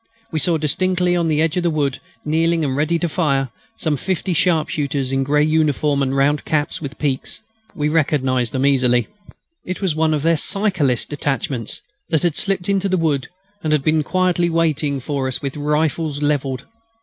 We saw distinctly on the edge of the wood, kneeling and ready to fire, some fifty sharp shooters in grey uniform and round caps without peaks. We recognised them easily. It was one of their cyclist detachments that had slipped into the wood and had been quietly waiting for us with rifles levelled.